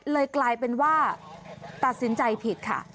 กลายเป็นว่าตัดสินใจผิดค่ะ